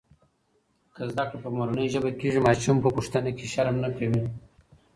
که زده کړه په مورنۍ ژبه کېږي، ماشوم په پوښتنه کې شرم نه کوي.